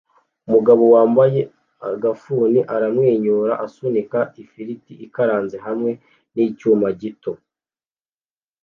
Umugabo wambaye agafuni aramwenyura asunika ifiriti ikaranze hamwe nicyuma gito